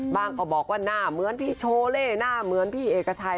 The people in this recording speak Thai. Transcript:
ก็บอกว่าหน้าเหมือนพี่โชเล่หน้าเหมือนพี่เอกชัย